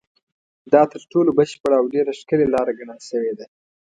دا تر ټولو بشپړه او ډېره ښکلې لاره ګڼل شوې ده.